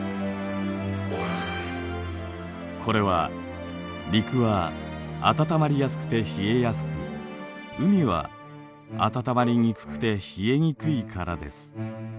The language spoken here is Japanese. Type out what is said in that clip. これは陸は暖まりやすくて冷えやすく海は暖まりにくくて冷えにくいからです。